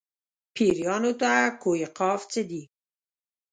پېریانو ته کوه قاف څه دي.